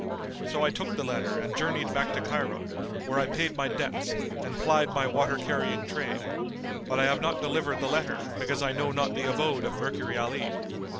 So I took the letter and journeyed back to Cairo, where I paid my debts and plied my water carrying trade; but I have not delivered the letter, because I know not the abode of Mercury Ali."